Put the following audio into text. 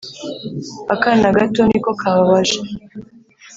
akana gato niko kababaje